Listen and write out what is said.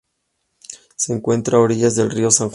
Se encuentra a orillas del río San Juan.